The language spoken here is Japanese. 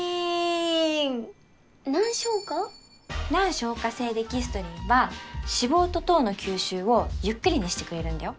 難消化性デキストリンは脂肪と糖の吸収をゆっくりにしてくれるんだよ